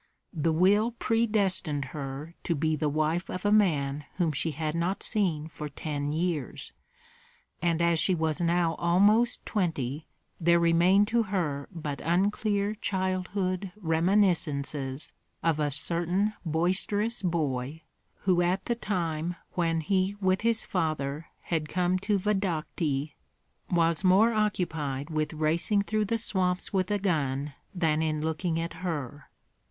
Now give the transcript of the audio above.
The will predestined her to be the wife of a man whom she had not seen for ten years; and as she was now almost twenty, there remained to her but unclear childhood reminiscences of a certain boisterous boy, who at the time when he with his father had come to Vodokty, was more occupied with racing through the swamps with a gun than in looking at her.